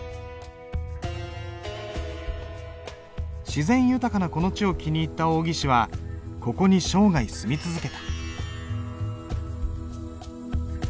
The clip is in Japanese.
自然豊かなこの地を気に入った王羲之はここに生涯住み続けた。